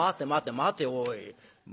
待ておい。